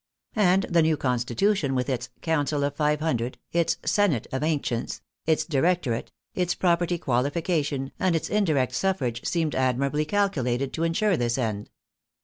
And the new Constitution, with its " council of five hundred," its " senate of an cients," its " directorate," its property qualification, and its indirect suffrage, seemed admirably calculated to en sure this end.